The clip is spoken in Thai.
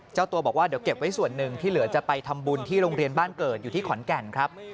เจ้าตัวบอกว่าเดี๋ยวเก็บไว้ส่วนหนึ่งที่เหลือจะไปทำบุญที่โรงเรียนบ้านเกิดอยู่ที่ขอนแก่นครับ